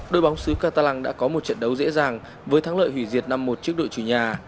đội bóng xứ katalang đã có một trận đấu dễ dàng với thắng lợi hủy diệt năm một trước đội chủ nhà